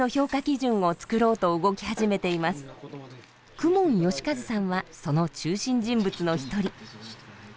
公文喜一さんはその中心人物の一人。